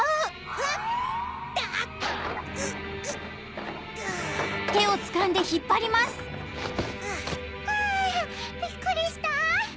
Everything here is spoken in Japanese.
はぁびっくりした！